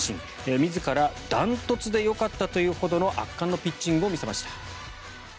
自ら、断トツでよかったと言うほどの圧巻のピッチングを見せました。